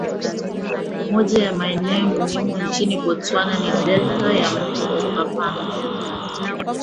Moja ya maeneo muhimu nchini Botswana ni delta ya mto Okavango